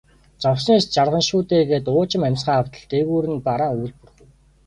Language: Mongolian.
Зовсны эцэст жаргана шүү дээ гээд уужим амьсгаа автал дээгүүр нь бараан үүл бүрхэв.